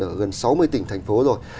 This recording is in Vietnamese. ở gần sáu mươi tỉnh thành phố rồi